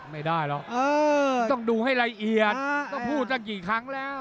ไม่ได้หรอกต้องดูให้ละเอียดต้องพูดตั้งกี่ครั้งแล้ว